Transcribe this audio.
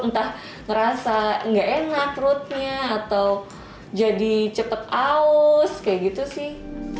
entah ngerasa gak enak perutnya atau jadi cepet aus kayak gitu sih